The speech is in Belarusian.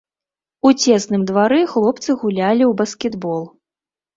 У цесным двары хлопцы гулялі ў баскетбол.